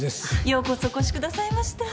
ようこそお越しくださいました。